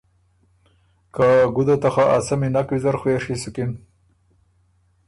که ګُده ته خه ا څمی نک زر خوېڒی سُکِن؟